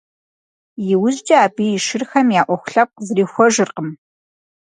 Иужькӏэ абы и шырхэм я ӏуэху лъэпкъ зрихуэжыркъым.